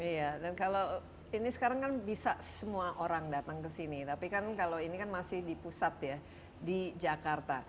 iya dan kalau ini sekarang kan bisa semua orang datang ke sini tapi kan kalau ini kan masih di pusat ya di jakarta